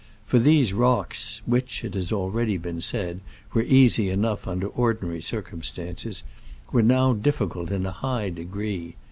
For these rocks (which, it has been already said, were easy enough under ordinary circumstances) were now difficult in a high degree.